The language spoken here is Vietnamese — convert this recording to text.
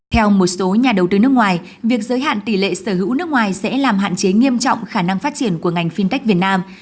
theo một số nhà đầu tư nước ngoài việc giới hạn tỷ lệ sở hữu nước ngoài sẽ làm hạn chế nghiêm trọng khả năng phát triển của ngành fintech việt nam